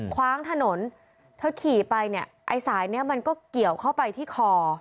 คว้างถนนเธอขี่ไปเนี่ยไอ้สายเนี้ยมันก็เกี่ยวเข้าไปที่คอ